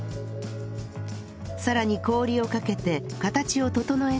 さらに氷をかけて形を整えたら